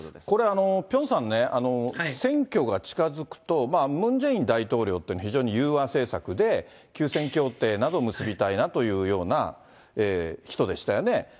これ、ピョンさんね、選挙が近づくと、ムン・ジェイン大統領っていうのは非常に融和政策で、休戦協定などを結びたいというような人でしたよね。